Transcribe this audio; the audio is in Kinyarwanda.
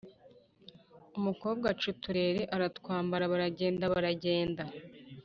umukobwa aca uturere aratwambara baragenda, baragenda.